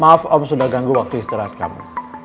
maaf om sudah ganggu waktu istirahat kamu